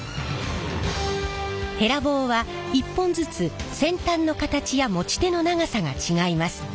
へら棒は１本ずつ先端の形や持ち手の長さが違います。